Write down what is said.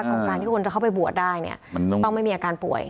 ของการที่คนจะเข้าไปบวชได้เนี่ยมันต้องไม่มีอาการป่วย